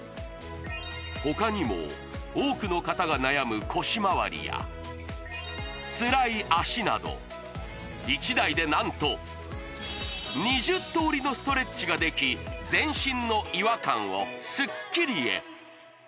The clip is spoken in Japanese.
他にも多くの方が悩む腰まわりやつらい脚など１台で何と２０通りのストレッチができ全身の違和感をスッキリへ